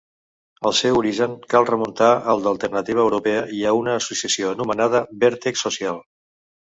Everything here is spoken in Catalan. El seu origen cal remuntar al d'Alternativa Europea i a una associació anomenada Vèrtex Social.